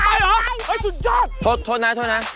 ค่อยไปเหรอสุดยอดโทษนะ